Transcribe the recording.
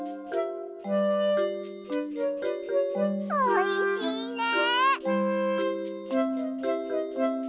おいしいね！